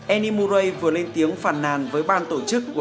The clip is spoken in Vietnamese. eni murray vừa lên tiếng phản nàn với ban tổ chức